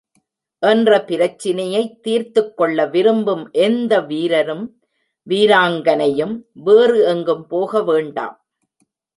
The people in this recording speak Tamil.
என்ற பிரச்சினையைத் தீர்த்துக் கொள்ள விரும்பும் எந்த வீரரும், வீராங்கனையும் வேறு எங்கும் போக வேண்டாம்.